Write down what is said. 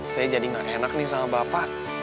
saya jadi gak enak nih sama bapak